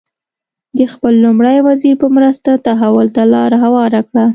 د خپل لومړي وزیر په مرسته تحول ته لار هواره کړه.